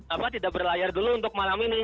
apa tidak berlayar dulu untuk malam ini